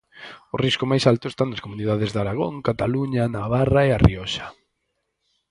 O risco máis alto está nas comunidades de Aragón, Cataluña, Navarra e A Rioxa.